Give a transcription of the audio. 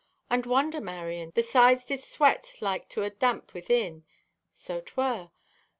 And wonder, Marion, the sides did sweat like to a damp within! So 'twere.